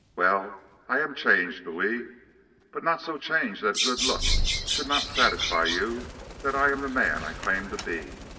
Well, I am changed, Louis, but not so changed that a good look should not satisfy you that I am the man I claim to be.